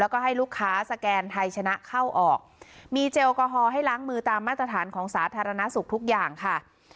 แล้วก็ให้ลูกค้าสแกนไทยชนะเข้าออกมีเจลแอลกอฮอล์ให้ล้างมือตามมาตรฐานของสาธารณสุขทุกอย่างค่ะ